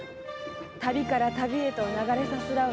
旅から旅へと流れさすらう